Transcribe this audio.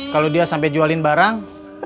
kalau dia sampai jualin barang